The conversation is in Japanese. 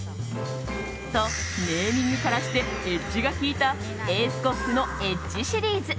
と、ネーミングからしてエッジが効いたエースコックのＥＤＧＥシリーズ。